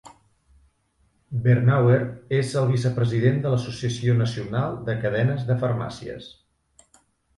Bernauer és el vicepresident de l'Associació nacional de cadenes de farmàcies.